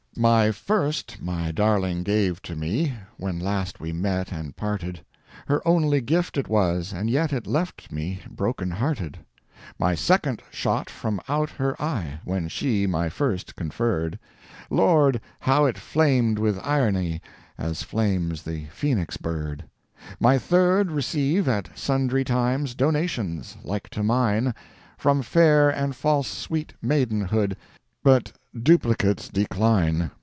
My First my darling gave to me When last we met—and parted; Her only gift it was, and yet It left me broken hearted. My second shot from out her eye, When she my first conferred; Lord, how it flamed with irony, As flames the Phoenix bird! My third receive at sundry times, Donations like to mine, From fair and false sweet maidenhood— But duplicates decline!